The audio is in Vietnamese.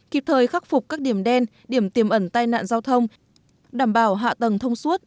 kịp thời khắc phục các điểm đen điểm tiềm ẩn tai nạn giao thông đảm bảo hạ tầng thông suốt